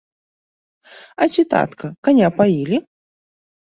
А ці, татка, каня паілі?